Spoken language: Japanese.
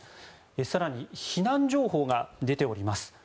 更に、避難情報が出ております。